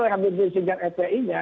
oleh habib rizieq dan fdi nya